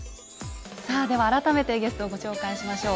さあでは改めてゲストをご紹介しましょう。